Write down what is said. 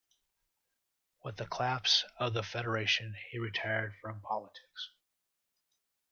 With the collapse of the Federation he retired from politics.